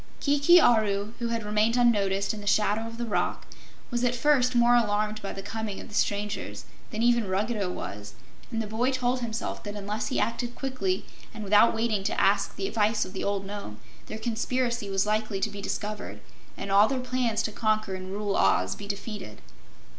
Kiki Aru, who had remained unnoticed in the shadow of the rock, was at first more alarmed by the coming of the strangers than even Ruggedo was, and the boy told himself that unless he acted quickly and without waiting to ask the advice of the old Nome, their conspiracy was likely to be discovered and all their plans to conquer and rule Oz be defeated.